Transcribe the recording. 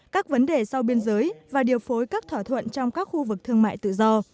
các vấn đề sau biên giới và điều phối các thỏa thuận trong các khu vực thương mại tự do